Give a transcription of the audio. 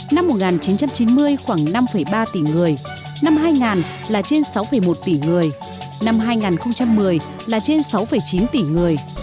năm một nghìn chín trăm chín mươi khoảng năm ba tỷ người năm hai nghìn là trên sáu một tỷ người